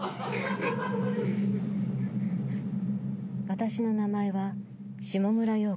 私の名前は下村陽子。